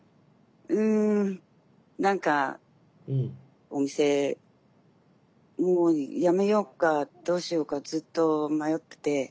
うん何かお店もうやめようかどうしようかずっと迷ってて。